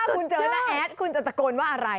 โอ้โหสุดยอดถ้าคุณเจอน้าแอดคุณจะตะโกนว่าอะไร